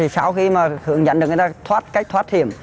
sau khi mà hướng dẫn được người ta thoát cách thoát hiểm